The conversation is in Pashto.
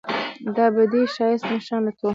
دابدي ښایست نشان لټوم